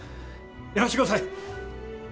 やらしてください！